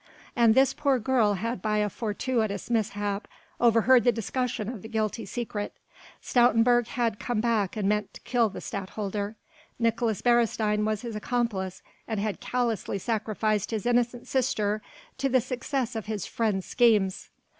And this poor girl had by a fortuitous mishap overheard the discussion of the guilty secret. Stoutenburg had come back and meant to kill the Stadtholder: Nicolaes Beresteyn was his accomplice and had callously sacrificed his innocent sister to the success of his friend's schemes.